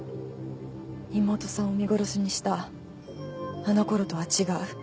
妹さんを見殺しにしたあの頃とは違う。